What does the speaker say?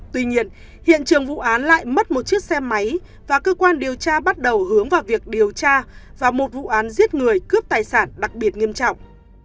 tuy nhiên hiện trường vụ án lại mất một chiếc xe máy và cơ quan điều tra bắt đầu hướng vào việc điều tra và một vụ án giết người cướp tài sản đặc biệt nghiêm trọng